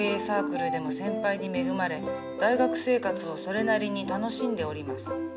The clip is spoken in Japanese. サークルでも先輩に恵まれ大学生活をそれなりに楽しんでおります。